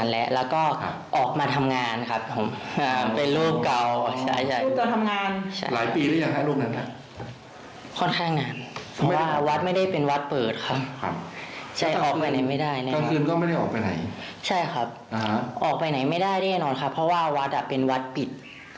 ใช่ครับออกไปไหนไม่ได้แน่นอนครับเพราะว่าวัดเป็นวัดปิด